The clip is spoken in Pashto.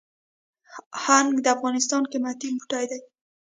هنګ د افغانستان قیمتي بوټی دی